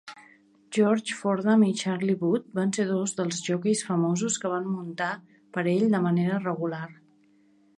George Fordham i Charlie Wood va ser dos dels joqueis famosos que van muntar per ell de manera regular.